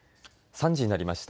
３時になりました。